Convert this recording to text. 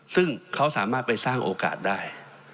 ซึ่งเขาสามารถไปสร้างโอกาสได้